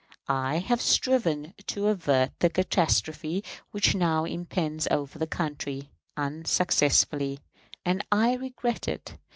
I have striven to avert the catastrophe which now impends over the country, unsuccessfully; and I regret it.